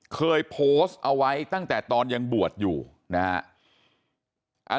เคยโพสต์เอาไว้ตั้งแต่ตอนยังบวชอยู่นะฮะ